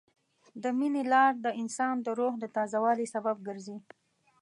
د مینې لار د انسان د روح د تازه والي سبب ګرځي.